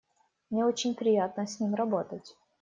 Мне очень приятно с ним работать.